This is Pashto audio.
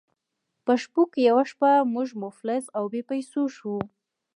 په شپو کې یوه شپه موږ مفلس او بې پیسو شوو.